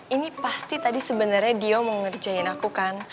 ini pasti tadi sebenernya dio mengerjain aku kan